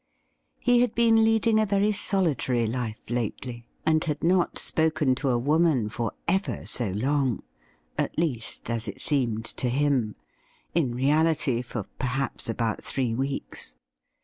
He had been leading a very solitary life lately, and had not spoken to a woman for ever so long — at least, as it seemed to him — in reality for perhaps about three weeks.